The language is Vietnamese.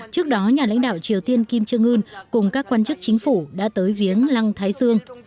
trước đó nhà lãnh đạo triều tiên kim trương ươn cùng các quan chức chính phủ đã tới viếng lăng thái sương